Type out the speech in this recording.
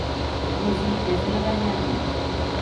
اونٺو سير ڪيسي لگآري جآندي هي